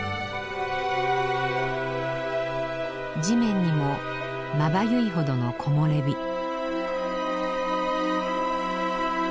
地面にもまばゆいほどの木漏れ日。